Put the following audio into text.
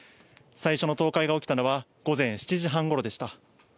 最初の倒壊が起きたのは午前７時半ごろでした。